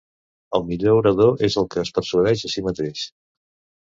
El millor orador és el que es persuadeix a si mateix.